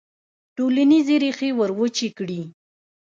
ټولنیزې ریښې وروچې کړي.